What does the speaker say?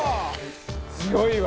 強いわ。